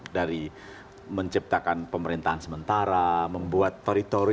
dari menciptakan pemerintahan sementara membuat tori tori